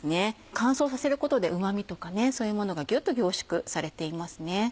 乾燥させることでうま味とかそういうものがギュっと凝縮されていますね。